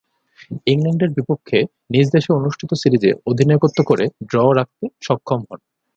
ইংল্যান্ডের বিপক্ষে নিজ দেশে অনুষ্ঠিত সিরিজে অধিনায়কত্ব করে ড্র রাখতে সক্ষম হন।